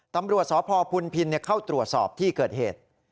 ตำรวจสพพุนพินเข้าตรวจสอบที่เกิดเหตุ